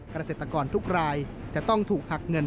กระเศรษฐกรทุกลายจะต้องถูกหักเงิน